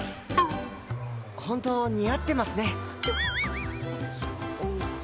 本当似合ってますね。